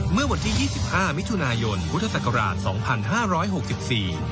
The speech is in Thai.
เมื่อวันที่๒๕มิถุนายนพุทธศักราช๒๕๖๔